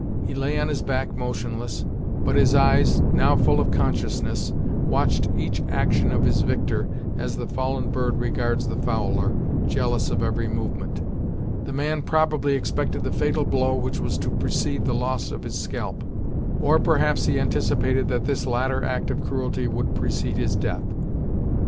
He lay on his back motionless, but his eyes, now full of consciousness, watched each action of his victor as the fallen bird regards the fowler jealous of every movement. The man probably expected the fatal blow which was to precede the loss of his scalp; or perhaps he anticipated that this latter act of cruelty would precede his death.